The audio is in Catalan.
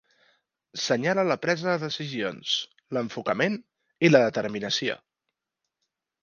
Senyala la presa de decisions, l"enfocament i la determinació.